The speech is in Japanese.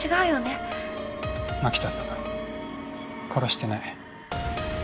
槙田さん殺してない。